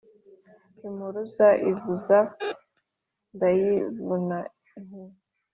Impuruza ivuze ndayivuna, nti: